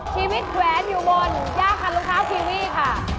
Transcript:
ชีวิตแหวนอยู่บนยากันรองเท้ากีวีค่ะ